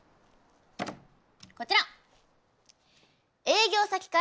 こちら。